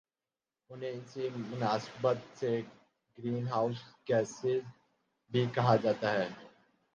انہیں اسی مناسبت سے گرین ہاؤس گیسیں بھی کہا جاتا ہے